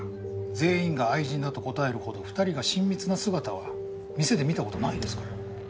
全員が愛人だと答えるほど２人が親密な姿は店で見た事ないですから。